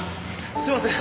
すいません